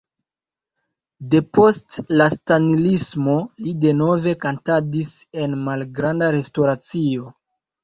Depost la stalinismo li denove kantadis en malgranda restoracio.